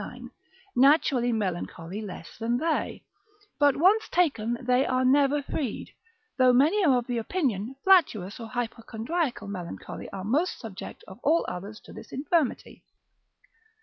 9; naturally melancholy less than they, but once taken they are never freed; though many are of opinion flatuous or hypochondriacal melancholy are most subject of all others to this infirmity.